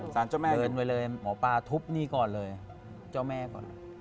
สารเจ้าแม่อยู่เหลินไว้เลยหมอป๊าทุบนี่ก่อนเลยเจ้าแม่ก่อนเลย